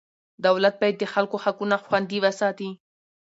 دولت باید د خلکو حقونه خوندي وساتي.